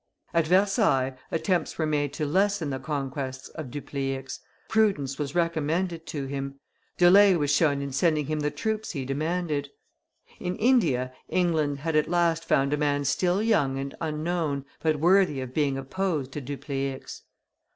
At Versailles attempts were made to lessen the conquests of Dupleix, prudence was recommended to him, delay was shown in sending him the troops he demanded. In India England had at last found a man still young and unknown, but worthy of being opposed to Dupleix.